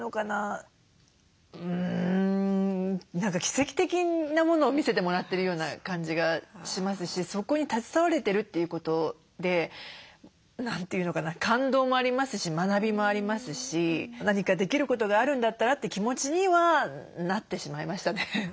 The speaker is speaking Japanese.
うん何か奇跡的なものを見せてもらってるような感じがしますしそこに携われてるということで感動もありますし学びもありますし何かできることがあるんだったらって気持ちにはなってしまいましたね。